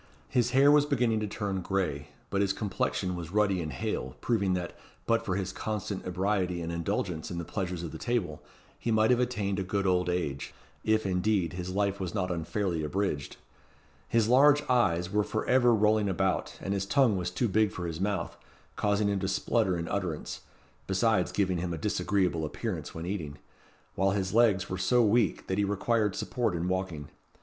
His hair was beginning to turn gray, but his complexion was ruddy and hale, proving that, but for his constant ebriety and indulgence in the pleasures of the table, he might have attained a good old age if, indeed, his life was not unfairly abridged. His large eyes were for ever rolling about, and his tongue was too big for his mouth, causing him to splutter in utterance, besides giving him a disagreeable appearance when eating; while his legs were so weak, that he required support in walking.